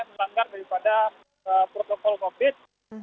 melanggar daripada protokol covid sembilan belas